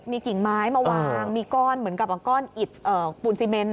มีกิ่งไม้มาวางมีก้อนเหมือนกับก้อนอิดปูนซีเมน